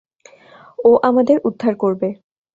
ও আমাদের উদ্ধার করবে।